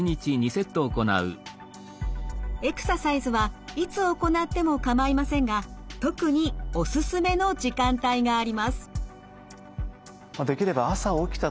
エクササイズはいつ行っても構いませんが特におすすめの時間帯があります。